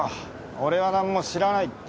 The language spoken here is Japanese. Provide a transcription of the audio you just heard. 俺は何も知らないって。